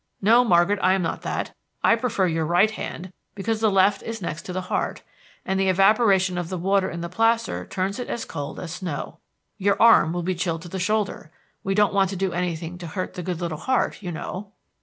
"No, Margaret, I am not that. I prefer your right hand because the left is next to the heart, and the evaporation of the water in the plaster turns it as cold as snow. Your arm will be chilled to the shoulder. We don't want to do anything to hurt the good little heart, you know."